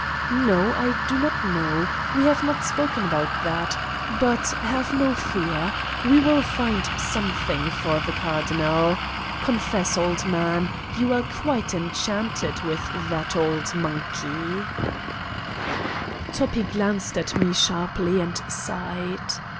"No, I do not know. We have not spoken about that, but have no fear : we will find something for the cardinal. Confess, old man : you are quite en chanted with that old monkey f" Toppi glanced at me sharply and sighed.